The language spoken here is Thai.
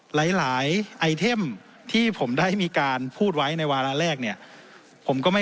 หลายหลายไอเทมที่ผมได้มีการพูดไว้ในวาระแรกเนี่ยผมก็ไม่